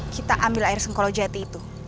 kita ambil air sengkolo jati itu